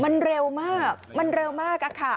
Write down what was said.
มันเร็วมากมันเร็วมากอะค่ะ